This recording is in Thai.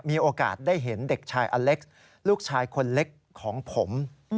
มีโอกาสได้เห็นเด็กชายอเล็กซ์ลูกชายคนเล็กของผม